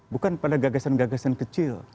bukan pada gagasan gagasan kecil